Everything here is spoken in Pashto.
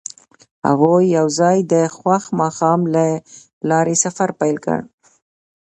هغوی یوځای د خوښ ماښام له لارې سفر پیل کړ.